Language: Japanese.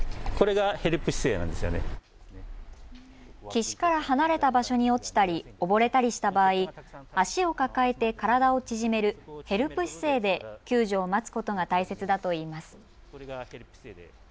岸から離れた場所に落ちたり溺れたりした場合、足を抱えて体をちぢめる、ヘルプ姿勢で救助を待つことが大切だといいます。